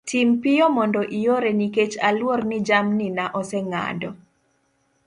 tim piyo mondo iore nikech aluor ni jamni na oseng'ado